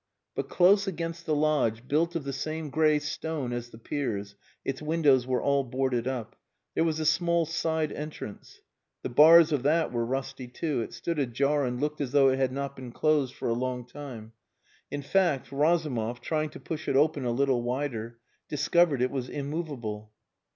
But close against the lodge, built of the same grey stone as the piers (its windows were all boarded up), there was a small side entrance. The bars of that were rusty too; it stood ajar and looked as though it had not been closed for a long time. In fact, Razumov, trying to push it open a little wider, discovered it was immovable.